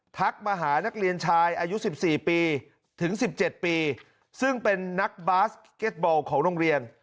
มาหานักเรียนชายอายุ๑๔ปีถึง๑๗ปีซึ่งเป็นนักบาสเก็ตบอลของโรงเรียน